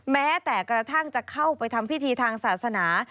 แม้แต่กระทั่งจะเข้าไปทำพิธีทางศาสนา